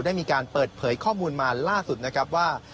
ได้มีการเปิดเผยข้อมูลมาล่าสุดนะครับว่า